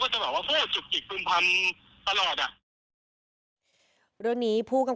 แต่คือผมก็ยังแบบว่าลดพรลดกรรมอยู่อ่ะ